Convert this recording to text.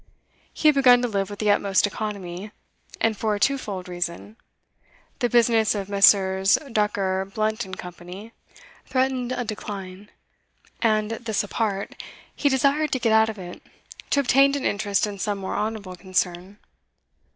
He had begun to live with the utmost economy, and for a twofold reason: the business of Messrs Ducker, Blunt & Co. threatened a decline, and, this apart, he desired to get out of it, to obtain an interest in some more honourable concern.